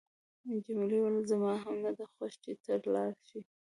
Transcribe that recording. جميلې وويل: زما هم نه ده خوښه چې ته لاړ شې.